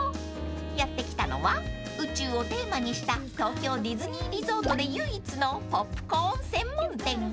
［やって来たのは宇宙をテーマにした東京ディズニーリゾートで唯一のポップコーン専門店］